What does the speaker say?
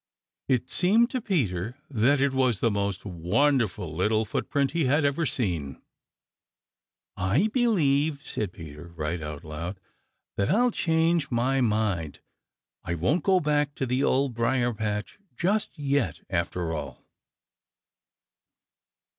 It seemed to Peter that it was the most wonderful little footprint he ever had seen. "I believe," said Peter right out loud, "that I'll change my mind. I won't go back to the dear Old Briar patch just yet, after all."